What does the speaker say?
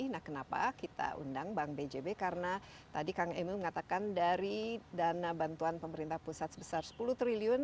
nah kenapa kita undang bank bjb karena tadi kang emil mengatakan dari dana bantuan pemerintah pusat sebesar sepuluh triliun